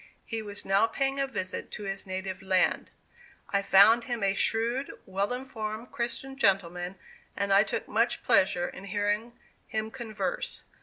He was now paying a visit to his native land. I found him a shrewd, well informed Christian gentleman, and I took much pleasure in hearing him converse.